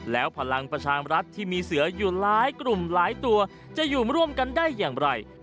แล้วพลังประชามรัฐที่มีเสืออยู่หลายกลุ่มหลายตัวจะอยู่ร่วมกันได้อย่างไร